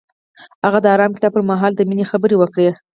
هغه د آرام کتاب پر مهال د مینې خبرې وکړې.